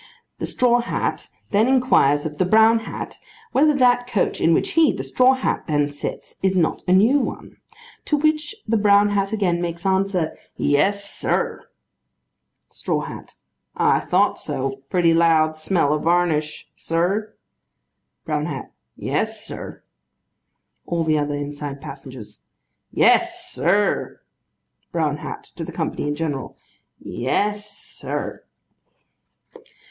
The straw hat then inquires of the brown hat, whether that coach in which he (the straw hat) then sits, is not a new one? To which the brown hat again makes answer, 'Yes, sir.' STRAW HAT. I thought so. Pretty loud smell of varnish, sir? BROWN HAT. Yes, sir. ALL THE OTHER INSIDE PASSENGERS. Yes, sir. BROWN HAT. (To the company in general.) Yes, sir.